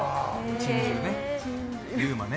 珍獣ね。